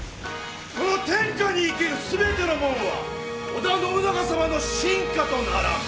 この天下に生きる全てのもんは織田信長様の臣下とならん！